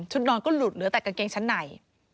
นอนก็หลุดเหลือแต่กางเกงชั้นใน